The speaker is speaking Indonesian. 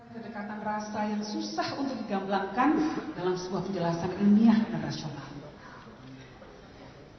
kedekatan rasa yang susah untuk digamblakan dalam sebuah penjelasan ini ya pak rasulullah